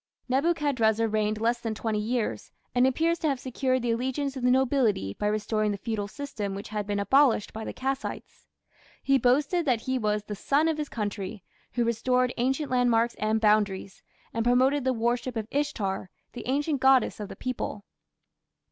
Nebuchadrezzar reigned less than twenty years, and appears to have secured the allegiance of the nobility by restoring the feudal system which had been abolished by the Kassites. He boasted that he was "the sun of his country, who restored ancient landmarks and boundaries", and promoted the worship of Ishtar, the ancient goddess of the people.